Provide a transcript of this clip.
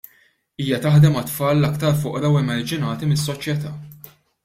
Hija taħdem għat-tfal l-aktar foqra u emarġinati mis-soċjetà.